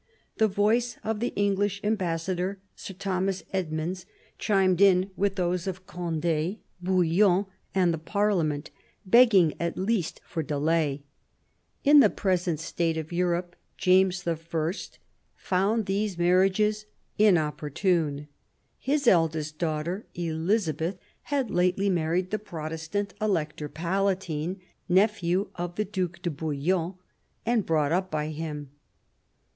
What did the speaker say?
The voice of the English ambassador, Sir Thomas Edmunds, chimed in with those of Conde, 72 THE BISHOP OF LUgON 73 Bouillon and the Parliament, begging at least for delay: in the present state of Europe, James I. found these marriages " inopportune." His eldest daughter, Elizabeth, had lately married the Protestant Elector Palatine, nephew of the Due de Bouillon and brought up by him.